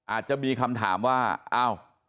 อาจจะมีคำถามว่าอ้าว